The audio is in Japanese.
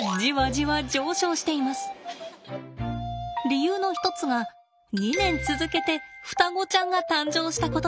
理由の一つが２年続けて双子ちゃんが誕生したことです。